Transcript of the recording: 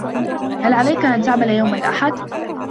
هل عليك أن تعمل يوم الأحد؟